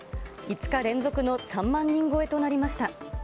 ５日連続の３万人超えとなりました。